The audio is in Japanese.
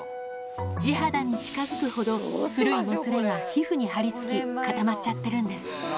地肌に近づくほど古いもつれが皮膚にはりつき、固まっちゃってるんです。